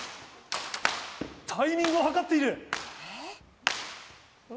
タイミングを計っている。